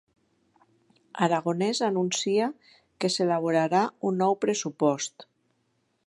Aragonès anuncia que s'elaborarà un nou pressupost